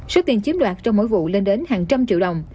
số tiền chiếm đoạt trong mỗi vụ lên đến hàng trăm triệu đồng